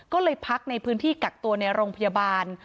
ก็เลยพักในพื้นที่กักตัวในโรงพยาบาล